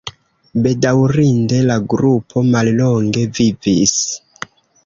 Bedaŭrinde la grupo mallonge vivis.